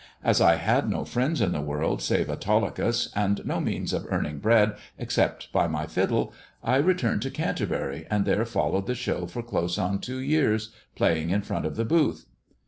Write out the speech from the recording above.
As I had no friend in the world save Autolycus, and no means of earning bread except by my fiddle, I returned to Canterbury, and there followed the show for close on two years, playing in front of the booth."